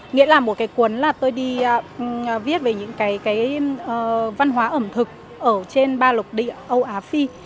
nghĩa là một cuốn tôi đi viết về những văn hóa ẩm thực ở trên ba lục địa âu á phi